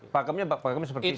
pak kemnya pak kemnya seperti itu